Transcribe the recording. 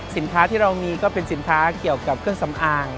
สินค้าที่เรามีก็เป็นสินค้าเกี่ยวกับเครื่องสำอาง